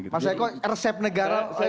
pak saiko resep negara